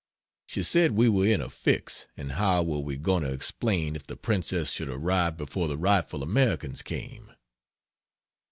She said we were in a fix, and how were we going to explain, if the princess should arrive before the rightful Americans came?